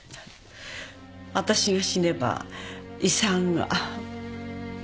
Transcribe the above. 私が死ねば遺産が。